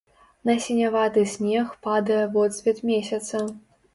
На сіняваты снег падае водсвет месяца.